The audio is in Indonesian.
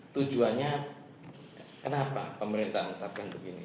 tujuannya kenapa pemerintah menetapkan begini